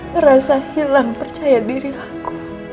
merasa hilang percaya diri aku